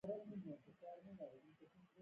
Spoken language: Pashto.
په افغانستان کې آب وهوا ډېر اهمیت لري.